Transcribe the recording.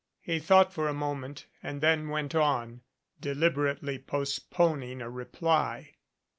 He thought for a mo ment, and then went on, deliberately postponing a reply.